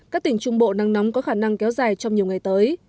các tỉnh trung bộ nắng nóng có khả năng kéo dài trong nhiều ngày tới